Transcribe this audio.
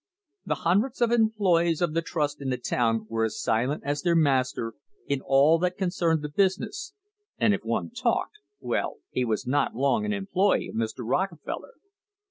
The hundreds of employees of the trust in the town were as silent as their master in all that concerned the business, and if one talked well, he was not long an employee of Mr. Rockefeller.